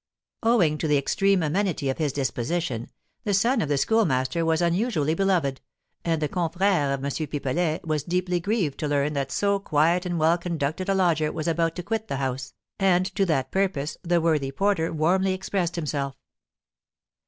Owing to the extreme amenity of his disposition, the son of the Schoolmaster was unusually beloved, and the confrère of M. Pipelet was deeply grieved to learn that so quiet and well conducted a lodger was about to quit the house, and to that purpose the worthy porter warmly expressed himself.